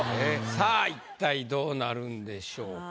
さぁ一体どうなるんでしょうか。